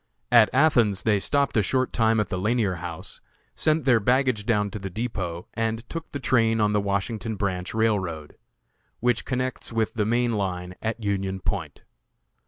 At Athens they stopped a short time at the Lanier House; sent their baggage down to the depot, and took the train on the Washington Branch Railroad, which connects with the main line at Union Point.